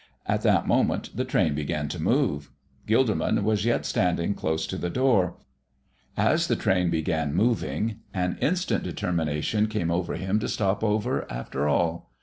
At that moment the train began to move. Gilderman was yet standing close to the door. As the train began moving an instant determination came over him to stop over, after all.